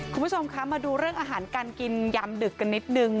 คุณผู้ชมคะมาดูเรื่องอาหารการกินยามดึกกันนิดนึง